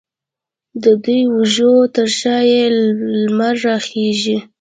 د دوو اوږو ترشا یې، لمر راخیژې